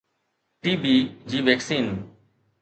ٽي B جي vaccine